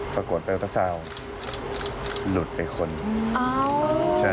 ปรากฏไปแล้วเวลาเศร้าหลุดไปคนนึง